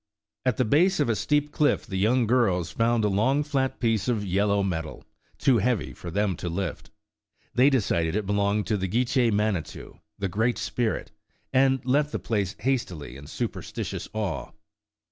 At the base of a steep cliff the young girls found a long flat piece of yellow metal, too heavy for them to lift. They decided it belonged to "The Gitche Mani tou," "The Great Spirit," and left the place hastily in superstitous awe.